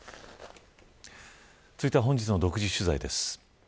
続いては本日の独自取材です。